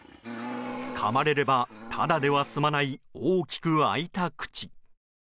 かまれれば、ただでは済まない大きく開いた口。